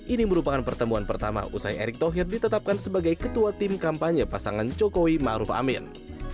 ini merupakan pertemuan pertama usai erick thohir ditetapkan sebagai ketua tim kampanye pasangan jokowi ⁇ maruf ⁇ amin